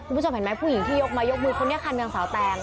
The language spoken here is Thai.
ผู้ชมเห็นมั้ยผู้หญิงที่ยกมายกมือคนนี้คันเมืองสาวแตง